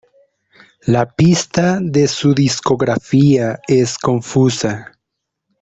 La pista de su discografía es confusa.